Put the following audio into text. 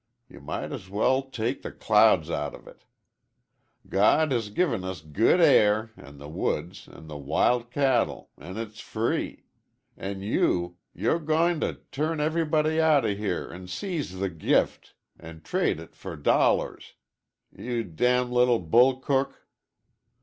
Ye might as well take the clouds out of it. God has gi'n us g good air an' the woods an' the w wild cattle, an' it's free an' you you're g goin 't' turn ev'rybody out o' here an' seize the g gift an' trade it fer d dollars you d little bullcook!"